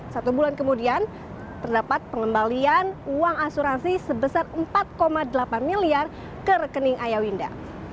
satu bulan kemudian terdapat pengembalian uang asuransi sebesar empat delapan miliar ke rekening ayah winda